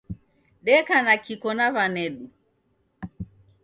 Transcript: Deka na Kiko na wanedu